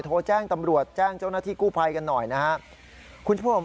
โทรแจ้งตำรวจแจ้งเจ้าหน้าที่กู้ภัยกันหน่อยนะครับคุณผู้ชม